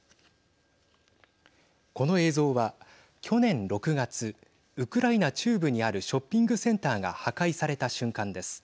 この映像は去年６月ウクライナ中部にあるショッピングセンターが破壊された瞬間です。